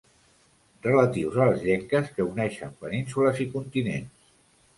Relatius a les llenques que uneixen penínsules i continents.